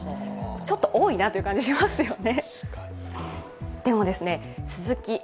ちょっと多いなという感じしますよね。